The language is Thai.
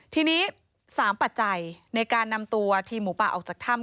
ทีนี้๓ปัจจัยในการนำตัวทีมหมูป่าออกจากถ้ำ